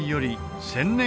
１０００年